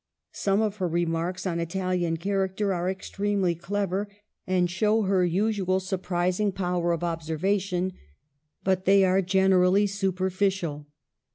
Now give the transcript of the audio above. Some of her remarks on Italian character are extremely clever, and show her usual sur prising power of observation ; but they are gen erally superficial.